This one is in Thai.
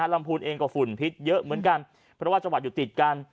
พูนเองก็ฝุ่นพิษเยอะเหมือนกันเพราะว่าจังหวัดอยู่ติดกัน